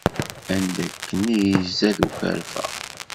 Anda akken i izad ukerfa.